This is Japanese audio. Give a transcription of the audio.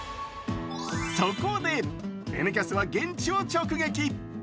そこで「Ｎキャス」は現地を直撃。